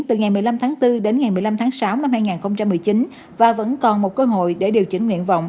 từ ngày một mươi năm tháng bốn đến ngày một mươi năm tháng sáu năm hai nghìn một mươi chín và vẫn còn một cơ hội để điều chỉnh nguyện vọng